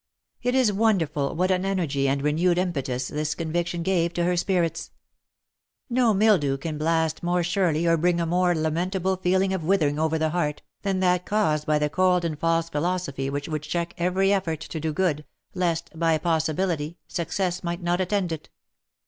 It is wonderful what an energy and renewed impetus this conviction gave to her spirits ! No mildew can blast more surely, or bring a more lamentable feeling of withering over the heart, than that caused by the cold and false philosophy which would check every effort to do good, lest, v by possibility, success might not attend it.